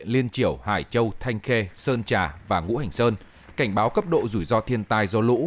liên triểu hải châu thanh khê sơn trà và ngũ hành sơn cảnh báo cấp độ rủi ro thiên tai do lũ